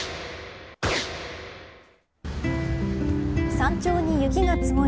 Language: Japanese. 山頂に雪が積もる